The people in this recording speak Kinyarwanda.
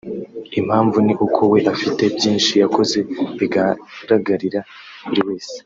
Impamvu ni uko we afite byinshi yakoze bigaragarira buri wese